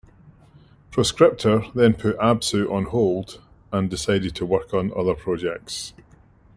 Proscriptor then put Absu on hold and decided to work on other projects.